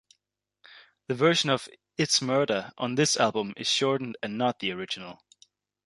The version of It's Murda on this album is shortened and not the original.